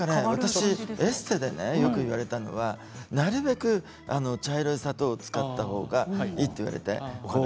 私ね、エステでよく言われたのがなるべく茶色い砂糖を使ったほうがいいと言われて。